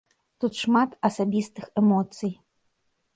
Тут шмат асабістых эмоцый.